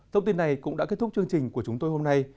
thông tin này cũng đã kết thúc chương trình của chúng tôi hôm nay